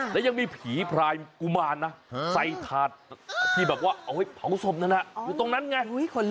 และยังมีผีพลายกุมารใส่ถาดที่เอาไว้เผาสมนั่นอยู่ตรงนั้นไง